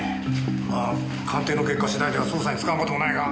まあ鑑定の結果次第では捜査に使わん事もないが。